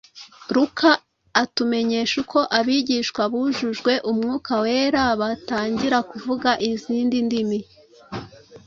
Luka atumenyesha uko abigishwa bujujwe Umwuka Wera batangira kuvuga izindi ndimi